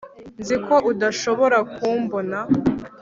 nzi ko udashobora kumbona